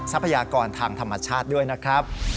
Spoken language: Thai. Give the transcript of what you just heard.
ทรัพยากรทางธรรมชาติด้วยนะครับ